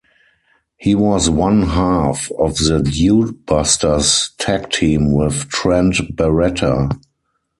He was one half of the DudeBusters tag team with Trent Barreta.